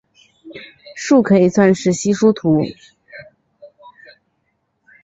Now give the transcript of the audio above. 树可以算是稀疏图。